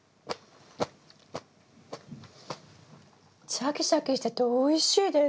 シャキシャキしてておいしいです。